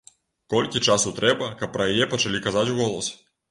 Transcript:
Колькі часу трэба, каб пра яе пачалі казаць уголас?